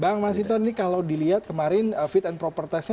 bang mas hinton ini kalau dilihat kemarin fit and proper testnya